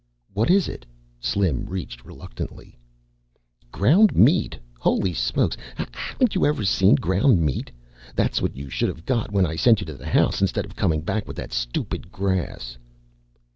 "What is it?" Slim reached reluctantly. "Ground meat. Holy Smokes, haven't you ever seen ground meat? That's what you should've got when I sent you to the house instead of coming back with that stupid grass."